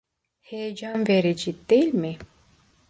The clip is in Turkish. Heyecan verici, değil mi?